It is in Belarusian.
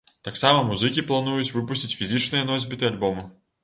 Таксама музыкі плануюць выпусціць фізічныя носьбіты альбому.